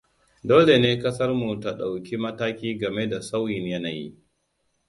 Dole ne kasar mu ta ɗauki mataki game da sauyin yanayi.